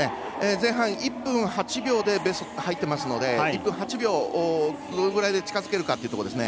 前半１分８秒で入っていますので１分８秒にどのぐらい近づけるかですね。